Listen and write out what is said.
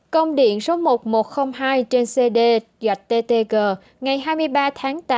công điện số một nghìn một trăm linh hai trên cd gattg ngày hai mươi ba tháng tám